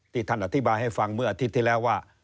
ท่านอธิบายให้ฟังเมื่ออาทิตย์ที่แล้วว่า